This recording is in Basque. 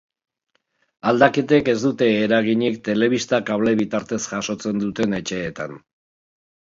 Aldaketek ez dute eraginik telebista kable bitartez jasotzen duten etxeetan.